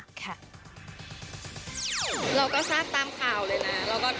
เวลา๊ก็อยากให้กำลังใจนะสู้นะ